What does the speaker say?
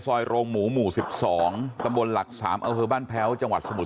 โรงหมูหมู่๑๒ตำบลหลัก๓อำเภอบ้านแพ้วจังหวัดสมุทร